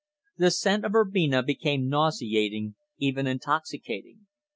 The scent of verbena became nauseating even intoxicating.